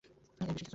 এর বেশি কিছু না।